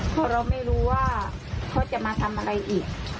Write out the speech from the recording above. เพราะเราไม่รู้ว่าเขาจะมาทำอะไรอีก